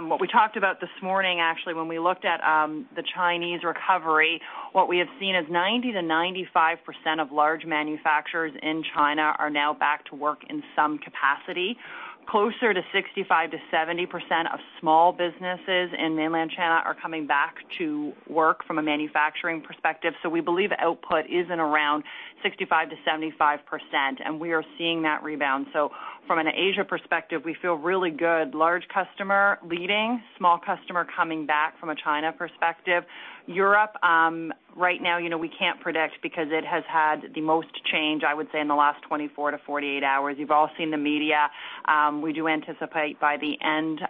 What we talked about this morning actually, when we looked at the Chinese recovery, what we have seen is 90%-95% of large manufacturers in China are now back to work in some capacity. Closer to 65%-70% of small businesses in mainland China are coming back to work from a manufacturing perspective. We believe output is in around 65%-75%, and we are seeing that rebound. From an Asia perspective, we feel really good. Large customer leading, small customer coming back from a China perspective. Europe, right now we can't predict because it has had the most change, I would say, in the last 24-48 hours. You've all seen the media. We do anticipate by the end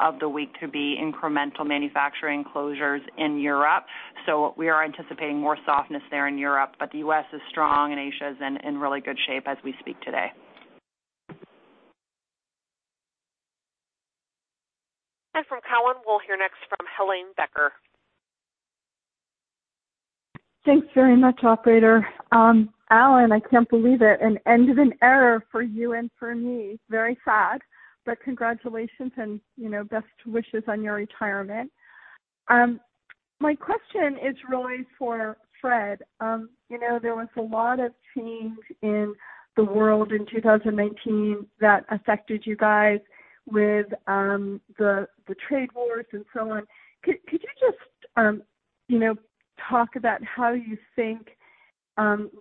of the week to be incremental manufacturing closures in Europe. We are anticipating more softness there in Europe, but the U.S. is strong and Asia is in really good shape as we speak today. From Cowen, we'll hear next from Helane Becker. Thanks very much, operator. Alan, I can't believe it. An end of an era for you and for me. Very sad, but congratulations and best wishes on your retirement. My question is really for Fred. There was a lot of change in the world in 2019 that affected you guys with the trade wars and so on. Could you just talk about how you think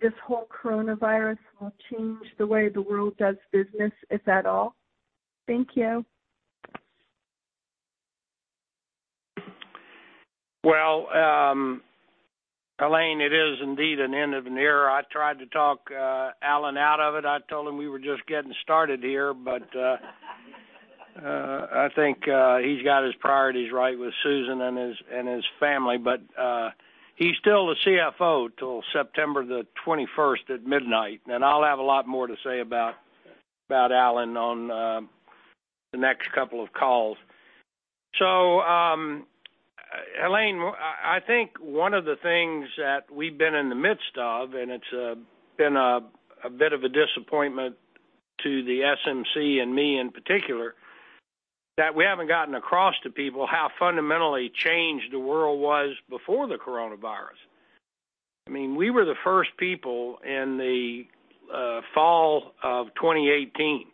this whole coronavirus will change the way the world does business, if at all? Thank you. Well, Helane, it is indeed an end of an era. I tried to talk Alan out of it. I told him we were just getting started here. I think he's got his priorities right with Susan and his family. He's still the CFO till September the 21st at midnight, and I'll have a lot more to say about Alan on the next couple of calls. Helane, I think one of the things that we've been in the midst of, and it's been a bit of a disappointment to the SMC and me in particular, that we haven't gotten across to people how fundamentally changed the world was before the coronavirus. We were the first people in the fall of 2018.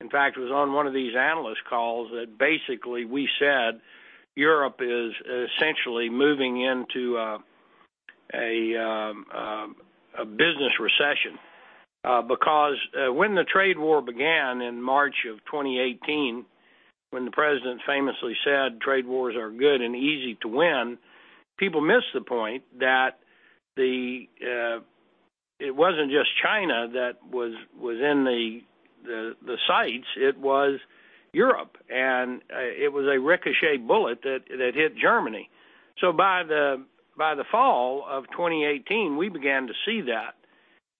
In fact, it was on one of these analyst calls that basically we said Europe is essentially moving into a business recession. When the trade war began in March of 2018, when the President famously said trade wars are good and easy to win, people missed the point that it wasn't just China that was in the sights, it was Europe. It was a ricochet bullet that hit Germany. By the fall of 2018, we began to see that.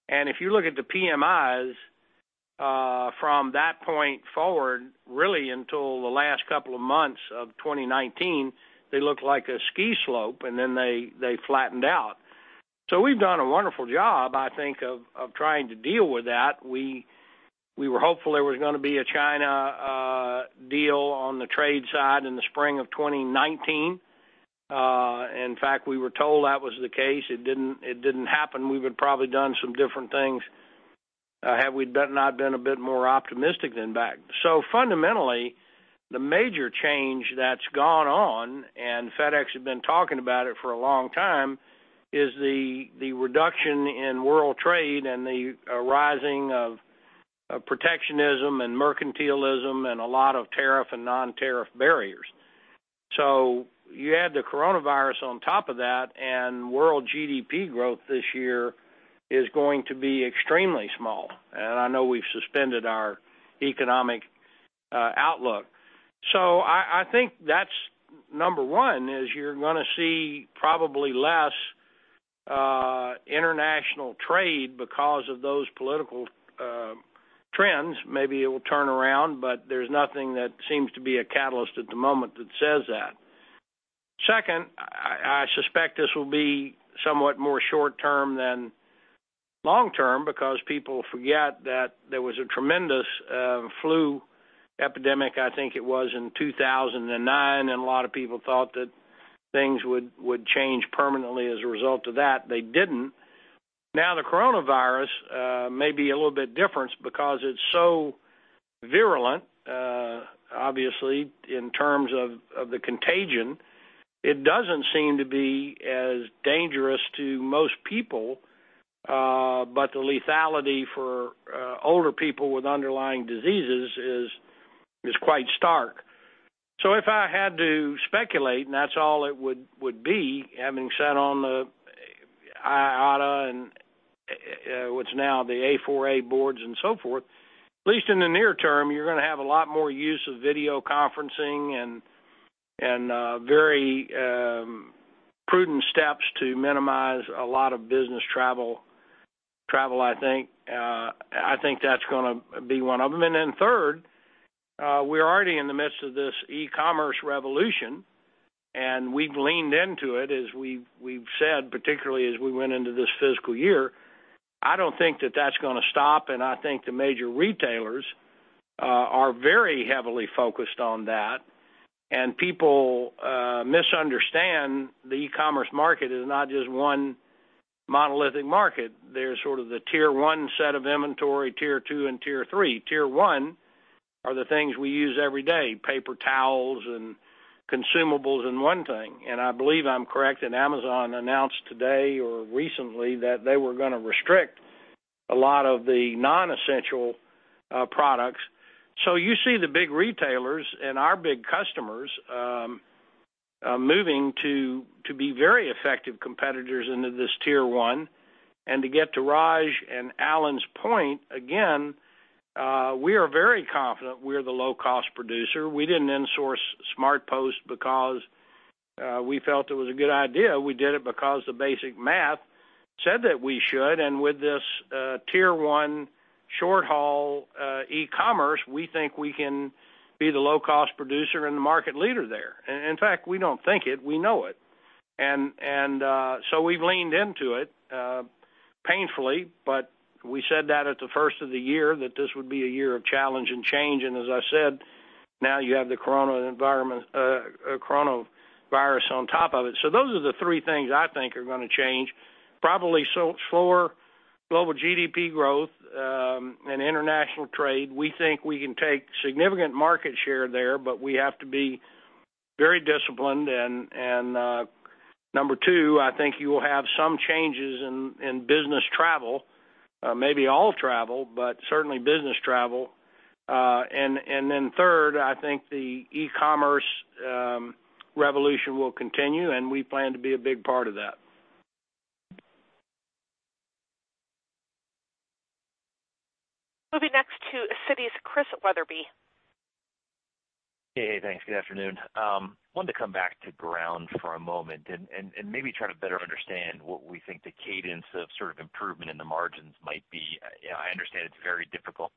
If you look at the PMIs from that point forward, really until the last couple of months of 2019, they looked like a ski slope, and then they flattened out. We've done a wonderful job, I think, of trying to deal with that. We were hopeful there was going to be a China deal on the trade side in the spring of 2019. In fact, we were told that was the case. It didn't happen. We would probably done some different things had we not been a bit more optimistic than that. Fundamentally, the major change that's gone on, and FedEx had been talking about it for a long time, is the reduction in world trade and the rising of protectionism and mercantilism and a lot of tariff and non-tariff barriers. You add the Coronavirus on top of that, and world GDP growth this year is going to be extremely small. I know we've suspended our economic outlook. I think that's number one, is you're going to see probably less international trade because of those political trends. Maybe it will turn around, but there's nothing that seems to be a catalyst at the moment that says that. Second, I suspect this will be somewhat more short-term than long term, because people forget that there was a tremendous flu epidemic, I think it was in 2009, and a lot of people thought that things would change permanently as a result of that. They didn't. The coronavirus may be a little bit different because it's so virulent, obviously, in terms of the contagion. It doesn't seem to be as dangerous to most people, but the lethality for older people with underlying diseases is quite stark. If I had to speculate, and that's all it would be, having sat on the IATA and what's now the A4A boards and so forth, at least in the near term, you're going to have a lot more use of video conferencing and very prudent steps to minimize a lot of business travel, I think. I think that's going to be one of them. Third, we're already in the midst of this e-commerce revolution, and we've leaned into it, as we've said, particularly as we went into this fiscal year. I don't think that that's going to stop, and I think the major retailers are very heavily focused on that. People misunderstand the e-commerce market as not just one monolithic market. There's sort of the Tier 1 set of inventory, Tier 2 and Tier 3. Tier 1 are the things we use every day, paper towels and consumables and one thing. I believe I'm correct that Amazon announced today or recently that they were going to restrict a lot of the non-essential products. You see the big retailers and our big customers moving to be very effective competitors into this Tier 1. To get to Raj and Alan's point, again, we are very confident we're the low-cost producer. We didn't in-source SmartPost because we felt it was a good idea. We did it because the basic math said that we should. With this Tier 1 short-haul e-commerce, we think we can be the low-cost producer and the market leader there. In fact, we don't think it, we know it. We've leaned into it painfully, but we said that at the first of the year, that this would be a year of challenge and change. As I said, now you have the coronavirus on top of it. Those are the three things I think are going to change. Probably slower global GDP growth and international trade. We think we can take significant market share there, but we have to be very disciplined. Number two, I think you will have some changes in business travel, maybe all travel, but certainly business travel. Then third, I think the e-commerce revolution will continue, and we plan to be a big part of that. Moving next to Citi's Chris Wetherbee. Hey, thanks. Good afternoon. Wanted to come back to Ground for a moment and maybe try to better understand what we think the cadence of sort of improvement in the margins might be. I understand it's very difficult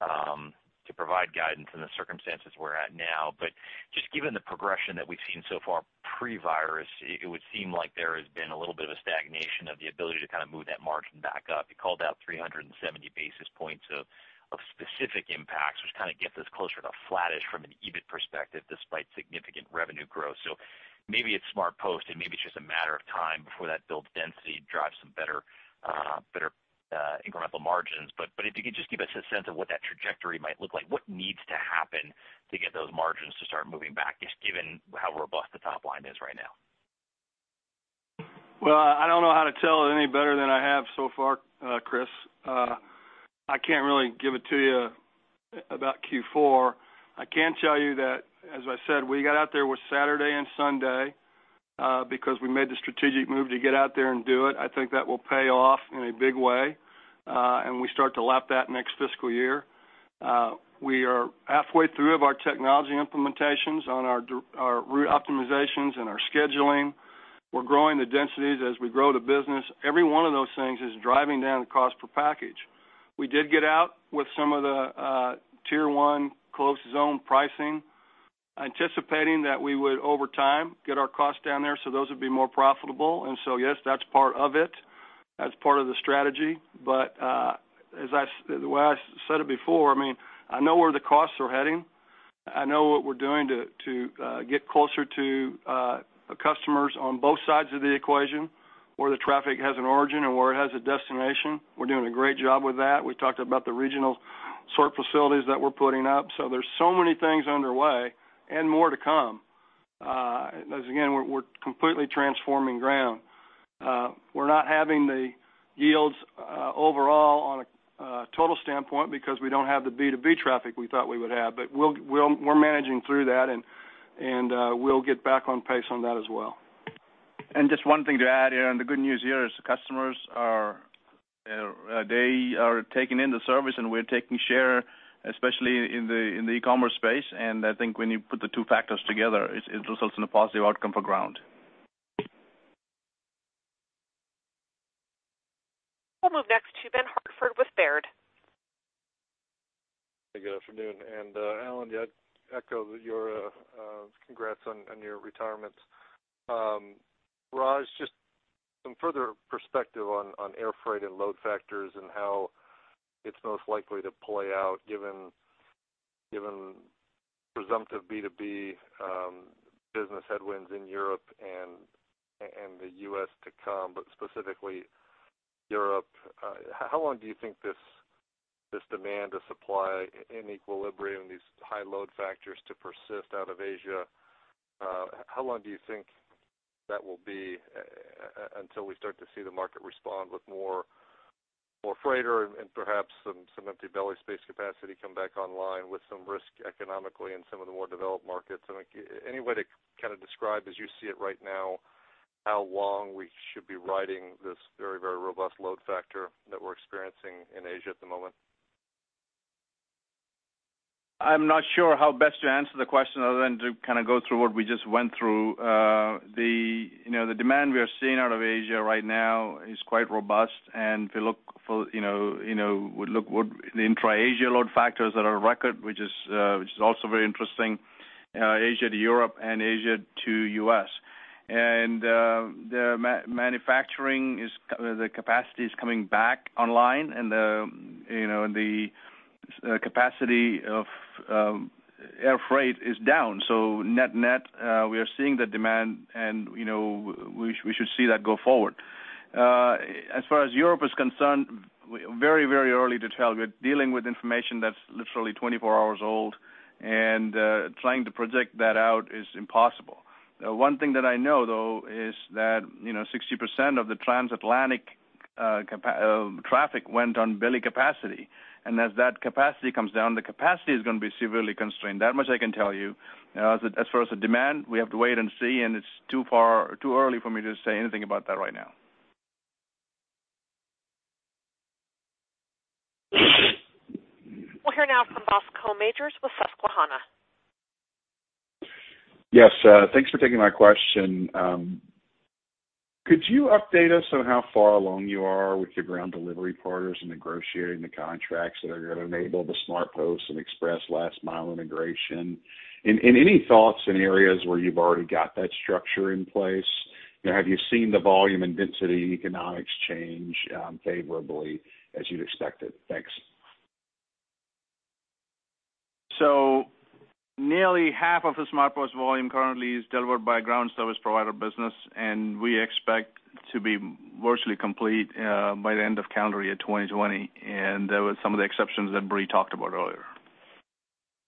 to provide guidance in the circumstances we're at now. Just given the progression that we've seen so far pre-virus, it would seem like there has been a little bit of a stagnation of the ability to kind of move that margin back up. You called out 370 basis points of specific impacts, which kind of gets us closer to flattish from an EBIT perspective despite significant revenue growth. Maybe it's SmartPost and maybe it's just a matter of time before that builds density, drives some better incremental margins. If you could just give us a sense of what that trajectory might look like. What needs to happen to get those margins to start moving back, just given how robust the top line is right now? Well, I don't know how to tell it any better than I have so far, Chris. I can't really give it to you about Q4. I can tell you that, as I said, we got out there with Saturday and Sunday because we made the strategic move to get out there and do it. I think that will pay off in a big way, and we start to lap that next fiscal year. We are halfway through of our technology implementations on our route optimizations and our scheduling. We're growing the densities as we grow the business. Every one of those things is driving down the cost per package. We did get out with some of the Tier 1 close zone pricing, anticipating that we would, over time, get our costs down there so those would be more profitable. Yes, that's part of it. That's part of the strategy. The way I said it before, I know where the costs are heading. I know what we're doing to get closer to customers on both sides of the equation, where the traffic has an origin and where it has a destination. We're doing a great job with that. We talked about the regional sort facilities that we're putting up. There's so many things underway and more to come. As again, we're completely transforming Ground. We're not having the yields overall on a total standpoint because we don't have the B2B traffic we thought we would have. We're managing through that, and we'll get back on pace on that as well. Just one thing to add here, and the good news here is the customers are taking in the service, and we're taking share, especially in the e-commerce space. I think when you put the two factors together, it results in a positive outcome for Ground. We'll move next to Ben Hartford with Baird. Hey, good afternoon. Alan, yeah, I echo your congrats on your retirement. Raj, just some further perspective on air freight and load factors and how it's most likely to play out given presumptive B2B business headwinds in Europe and the U.S. to come, but specifically Europe. How long do you think this demand to supply in equilibrium, these high load factors to persist out of Asia? How long do you think that will be until we start to see the market respond with more freighter and perhaps some empty belly space capacity come back online with some risk economically in some of the more developed markets? Any way to kind of describe, as you see it right now, how long we should be riding this very robust load factor that we're experiencing in Asia at the moment? I'm not sure how best to answer the question other than to go through what we just went through. The demand we are seeing out of Asia right now is quite robust, and if you look the intra-Asia load factors that are record, which is also very interesting, Asia to Europe and Asia to U.S. The manufacturing capacity is coming back online and the capacity of air freight is down. Net-net, we are seeing the demand, and we should see that go forward. As far as Europe is concerned, very early to tell. We're dealing with information that's literally 24 hours old, and trying to project that out is impossible. One thing that I know, though, is that 60% of the transatlantic traffic went on belly capacity. As that capacity comes down, the capacity is going to be severely constrained. That much I can tell you. As far as the demand, we have to wait and see, and it's too early for me to say anything about that right now. We'll hear now from Bascome Majors with Susquehanna. Yes. Thanks for taking my question. Could you update us on how far along you are with your ground delivery partners in negotiating the contracts that are going to enable the SmartPost and Express last mile integration? Any thoughts in areas where you've already got that structure in place? Have you seen the volume and density economics change favorably as you'd expected? Thanks. Nearly half of the SmartPost volume currently is delivered by ground service provider business, and we expect to be virtually complete by the end of calendar year 2020, and there were some of the exceptions that Brie talked about earlier.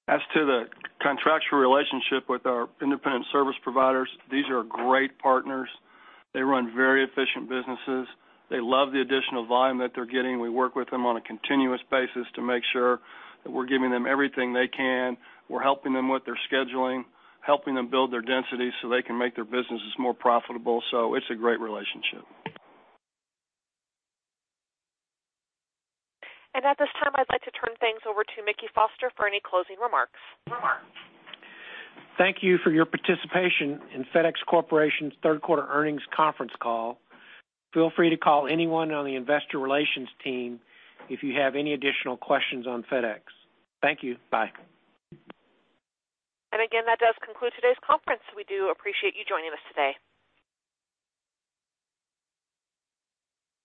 As to the contractual relationship with our independent service providers, these are great partners. They run very efficient businesses. They love the additional volume that they're getting. We work with them on a continuous basis to make sure that we're giving them everything they can. We're helping them with their scheduling, helping them build their density so they can make their businesses more profitable. It's a great relationship. At this time, I'd like to turn things over to Mickey Foster for any closing remarks. Thank you for your participation in FedEx Corporation's third quarter earnings conference call. Feel free to call anyone on the investor relations team if you have any additional questions on FedEx. Thank you. Bye. Again, that does conclude today's conference. We do appreciate you joining us today.